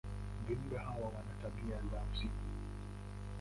Viumbe hawa wana tabia za usiku.